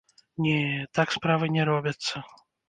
Не, так справы не робяцца!